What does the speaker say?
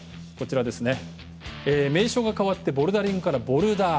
名称が変わってボルダリングからボルダー。